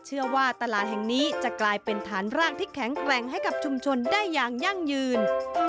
เชื่อว่าตลาดแห่งนี้จะกลายเป็นฐานรากที่แข็งแกร่งให้กับชุมชนได้อย่างยั่งยืน